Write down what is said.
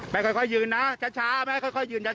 ค่อยยืนนะช้าไม่ค่อยยืนยัน